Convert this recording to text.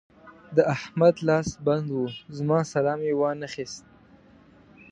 د احمد لاس بند وو؛ زما سلام يې وانخيست.